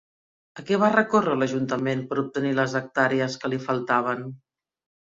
A què va recórrer l'ajuntament per obtenir les hectàrees que li faltaven?